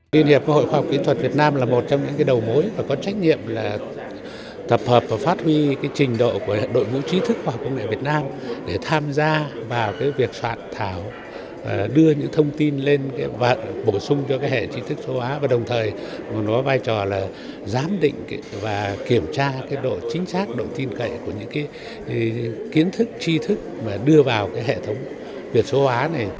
thì kiến thức chi thức mà đưa vào cái hệ thống việt số hóa này